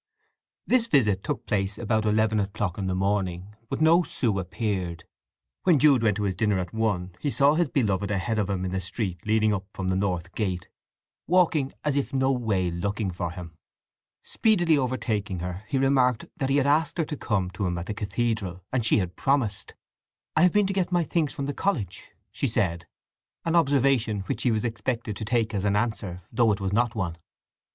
This visit took place about eleven o'clock in the morning; but no Sue appeared. When Jude went to his dinner at one he saw his beloved ahead of him in the street leading up from the North Gate, walking as if no way looking for him. Speedily overtaking her he remarked that he had asked her to come to him at the cathedral, and she had promised. "I have been to get my things from the college," she said—an observation which he was expected to take as an answer, though it was not one.